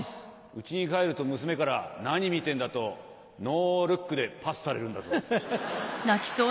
家に帰ると娘から「何見てんだ」とノールックでパスされるんだぞ。